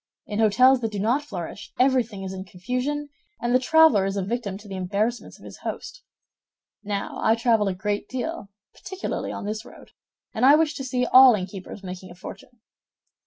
In hôtels that do not flourish, everything is in confusion, and the traveler is a victim to the embarrassments of his host. Now, I travel a great deal, particularly on this road, and I wish to see all innkeepers making a fortune."